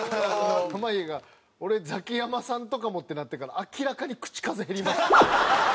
濱家が俺ザキヤマさんとかもってなってから明らかに口数減りました。